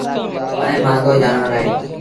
ائيٚݩ مهآݩگو جآݩور اهي